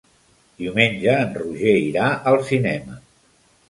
Diumenge en Roger irà al cinema.